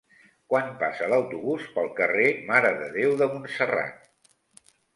Quan passa l'autobús pel carrer Mare de Déu de Montserrat?